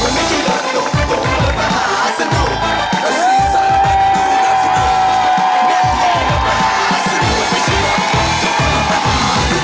มันไม่ใช่รถตุกตุกมันรถมหาสนุก